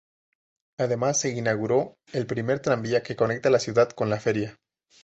Además, se inauguró el primer tranvía que conecta la ciudad con la feria.